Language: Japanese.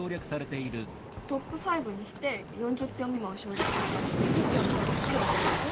トップ５にして４０票未満は省略したら１票の差がはっきり分かるでしょ？